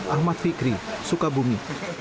ahmad fikri sukabumi